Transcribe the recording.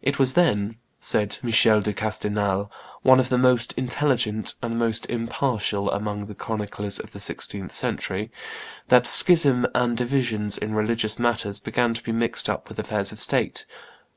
"It was then," said Michael de Castelnau, one of the most intelligent and most impartial amongst the chroniclers of the sixteenth century, "that schism and divisions in religious matters began to be mixed up with affairs of state.